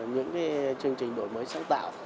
những chương trình đổi mới sáng tạo